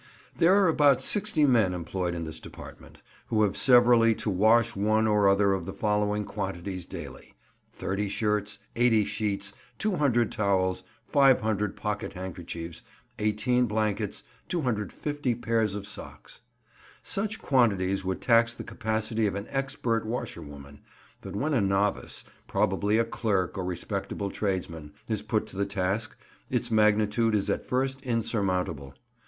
There are about sixty men employed in this department, who have severally to wash one or other of the following quantities daily:—30 shirts, 80 sheets, 200 towels, 500 pocket handkerchiefs, 18 blankets, 250 pairs of socks. Such quantities would tax the capacity of an expert washerwoman; but when a novice—probably a clerk or respectable tradesman—is put to the task, its magnitude is at first insurmountable.